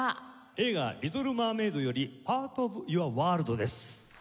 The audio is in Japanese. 映画『リトル・マーメイド』より『パート・オブ・ユア・ワールド』です。